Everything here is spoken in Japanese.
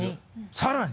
さらに！